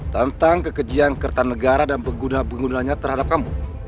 tentang kekejian kertanegara dan penggunanya terhadap kamu